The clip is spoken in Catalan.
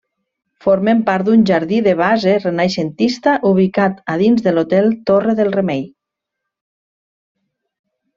Formen part d'un jardí de base renaixentista ubicat a dins de l'hotel Torre del Remei.